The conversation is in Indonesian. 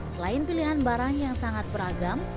selain pilihan barang yang sangat beragam